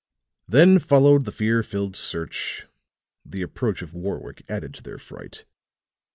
Then followed the fear filled search; the approach of Warwick added to their fright.